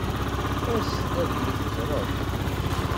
As-d ad iyi-teẓreḍ.